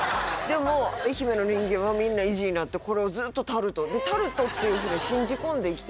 でも愛媛の人間はみんな意地になってこれをずっとタルトえ！